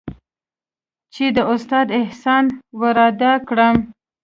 چې د استاد احسان ورادا کړم.